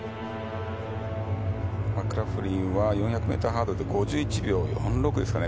マクラフリンは４００ｍハードルで５１秒６６ですかね。